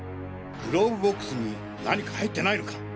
クローブボックスに何か入ってないのか？